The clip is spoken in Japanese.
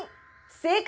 正解！